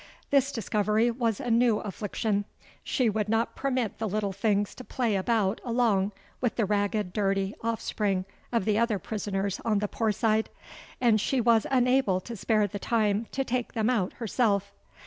This discovery was a new affliction. She would not permit the little things to play about along with the ragged, dirty offspring of the other prisoners on the Poor Side; and she was unable to spare the time to take them out herself.